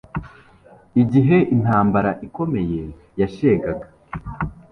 Igihe intambara ikomeye yashegaga,